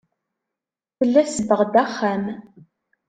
Tella tsebbeɣ-d axxam.